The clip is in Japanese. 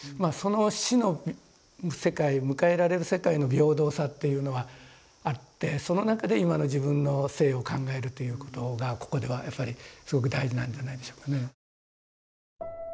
その死の世界迎えられる世界の平等さっていうのはあってその中で今の自分の生を考えるということがここではやっぱりすごく大事なんじゃないでしょうかね。